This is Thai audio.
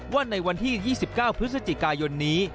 ว่าในวันที่๒๙พฤศจิกายนนี้